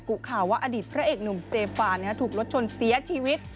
ุข่าวว่าอดีตพระเอกหนุ่มสเตฟานถูกรถชนเสียชีวิต